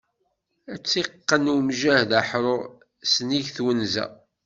Ad tt-iqqen umjahed aḥrur, s nnig n twenza.